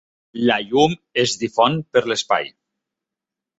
La llum es difon per l'espai.